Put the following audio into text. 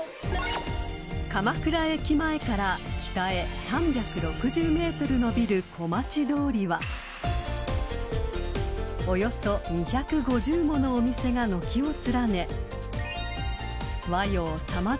［鎌倉駅前から北へ３６０ｍ延びる小町通りはおよそ２５０ものお店が軒を連ね］